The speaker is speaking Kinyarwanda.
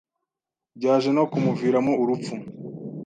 byaje no kumuviramo urupfu.